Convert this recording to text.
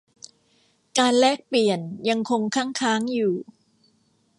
การแลกเปลี่ยนยังคงคั่งค้างอยู่